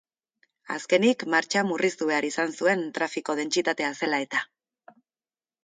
Azkenik, martxa murriztu behar izan zuen trafiko dentsitatea zela eta.